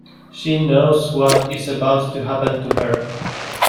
She knows what is about to happen to her.